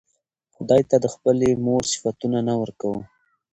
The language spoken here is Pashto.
خداى ته د خپلې مور صفتونه نه ورکوو